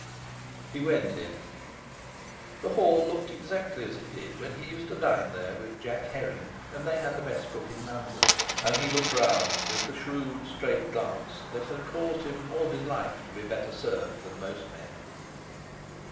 He went in. The hall looked exactly as it did when he used to dine there with Jack Herring, and they had the best cook in London; and he looked round with the shrewd, straight glance that had caused him all his life to be better served than most men.